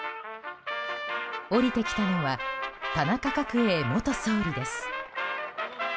降りてきたのは田中角栄元総理です。